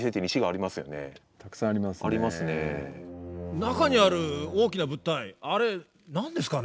中にある大きな物体あれ何ですかね？